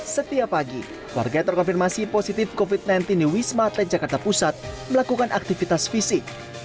setiap pagi warga yang terkonfirmasi positif covid sembilan belas di wisma atlet jakarta pusat melakukan aktivitas fisik